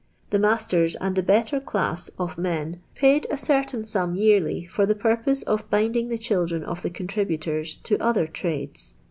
The masters and the better class of m^n paid a ciMta in sum yearly, for the purpose of binding the childn n of the contributors to other trades.